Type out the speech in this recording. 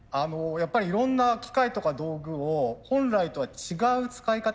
やっぱりいろんな機械とか道具を本来とは違う使い方